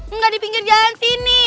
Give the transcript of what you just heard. enggak di pinggir jalan sini